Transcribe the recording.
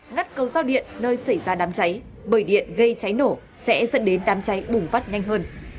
ngắt cầu giao điện nơi xảy ra đám cháy bởi điện gây cháy nổ sẽ dẫn đến đám cháy bùng phát nhanh hơn